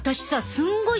すんごい